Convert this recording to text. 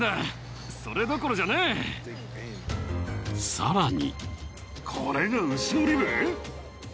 ［さらに］